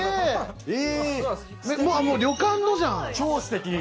旅館のじゃん！